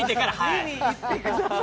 見に行ってください。